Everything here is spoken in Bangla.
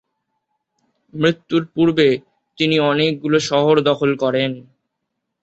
মৃত্যুর পূর্বে তিনি অনেকগুলো শহর দখল করেন।